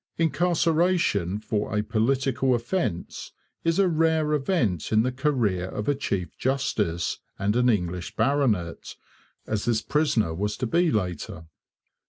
Incarceration for a political offence is a rare event in the career of a chief justice and an English baronet, as this prisoner was to be later.